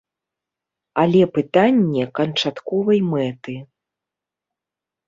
Але пытанне канчатковай мэты.